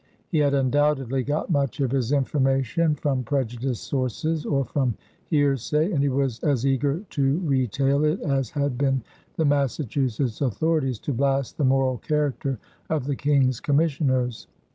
He had undoubtedly got much of his information from prejudiced sources or from hearsay, and he was as eager to retail it as had been the Massachusetts authorities to blast the moral character of the King's commissioners.